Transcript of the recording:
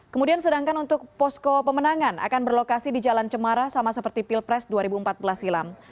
kemudian sedangkan untuk posko pemenangan akan berlokasi di jalan cemara sama seperti pilpres dua ribu empat belas silam